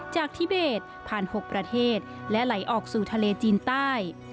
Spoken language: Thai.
จากทิเบสผ่าน๖ประเทศและไหลออกสู่ทะเลจีนใต้